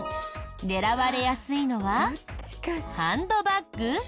狙われやすいのはハンドバッグ？